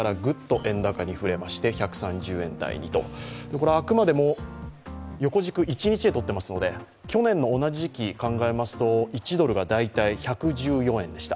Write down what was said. これはあくまでも横軸、一日でとってますので去年の同じ時期で考えますと１ドルが大体１１４円でした。